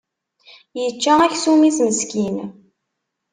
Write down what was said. Yečča aksum-is meskin.